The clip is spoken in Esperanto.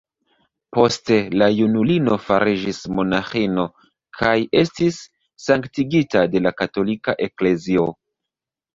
Poste la junulino fariĝis monaĥino kaj estis sanktigita de la katolika Eklezio.